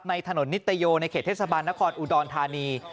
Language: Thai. ถนนนิตโยในเขตเทศบาลนครอุดรธานี